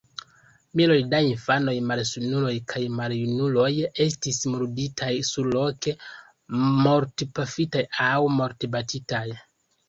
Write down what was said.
Miloj da infanoj, malsanuloj kaj maljunuloj estis murditaj surloke: mortpafitaj aŭ mortbatitaj.